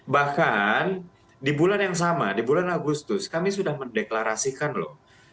bahkan di bulan yang sama di bulan agustus kami sudah mendeklarasikan loh